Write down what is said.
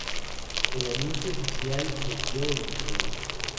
El anuncio oficial se dio en diciembre.